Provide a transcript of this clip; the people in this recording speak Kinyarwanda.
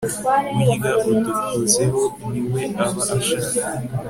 burya udukozeho ni we aba ashaka